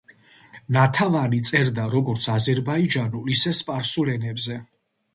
ნათავანი წერდა როგორც აზერბაიჯანულ, ისე სპარსულ ენაზე.